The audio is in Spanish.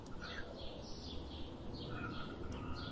Sus poesías fueron publicadas en la "Revista Azul".